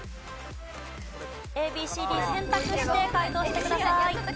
ＡＢＣＤ選択して解答してください。